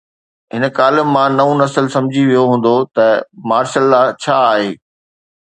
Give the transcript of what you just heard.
هن ڪالم مان نئون نسل سمجهي ويو هوندو ته مارشل لا ڇا آهي.